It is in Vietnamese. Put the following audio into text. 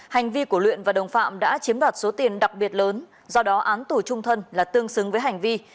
hành vi của luyện và đồng phạm đã chiếm đoạt số tiền đặc biệt lớn do đó án tù trung thân là tương xứng với hành vi